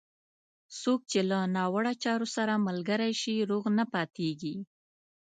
څوک چې له ناوړه چارو سره ملګری شي، روغ نه پاتېږي.